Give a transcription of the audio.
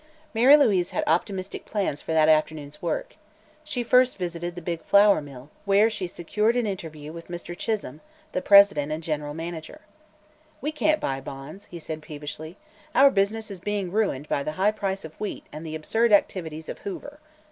Mary Louise had optimistic plans for that afternoon's work. She first visited the big flour mill, where she secured an interview with Mr. Chisholme, the president and general manager. "We can't buy bonds," he said peevishly. "Our business is being ruined by the high price of wheat and the absurd activities of Hoover.